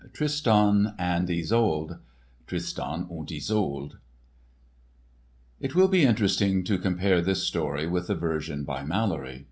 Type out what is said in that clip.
*Tristan and Isolde* (Tristan und Isolde) It will be interesting to compare this story with the version by Malory.